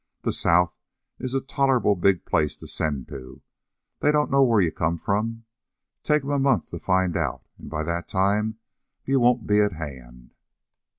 The south is a tolerable big place to send to. They don't know where you come from. Take 'em a month to find out, and by that time, you won't be at hand."